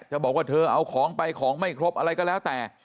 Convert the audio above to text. บอกว่าเธอเอาของไปของไม่ครบอะไรก็แล้วแต่